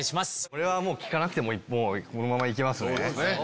これは聞かなくてもこのままいきますね。